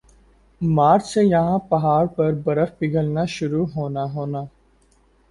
مارچ سے یَہاں پہاڑ پر سے برف پگھلنا شروع ہونا ہونا